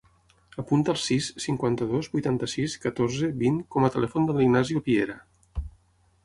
Apunta el sis, cinquanta-dos, vuitanta-sis, catorze, vint com a telèfon de l'Ignacio Piera.